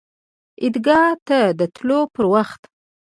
عیدګاه ته د تللو پر وخت